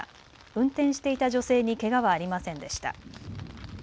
運転していた女性にけがはありませんでした。